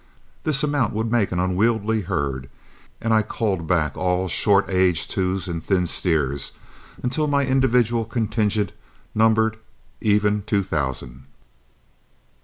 This amount would make an unwieldy herd, and I culled back all short aged twos and thin steers until my individual contingent numbered even two thousand.